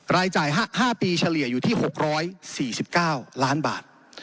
รายจ่าย๕ปีเฉลี่ยอยู่ที่๖๔๙ล้านบาท